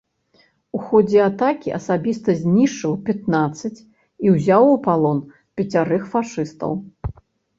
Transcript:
У ходзе атакі асабіста знішчыў пятнаццаць і ўзяў у палон пяцярых фашыстаў.